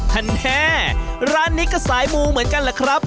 แท้ร้านนี้ก็สายมูเหมือนกันแหละครับ